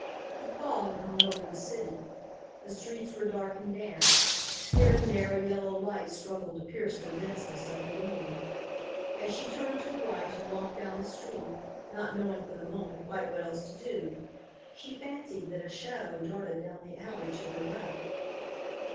A fog hung over the city. The streets were dark and damp. Here and there a yellow light struggled to pierce the denseness of the gloom. As she turned to the right and walked down the street, not knowing for the moment quite what else to do, she fancied that a shadow darted down the alley to her left.